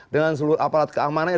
dengan seluruh apalat keamanannya